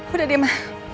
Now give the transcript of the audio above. udah deh ma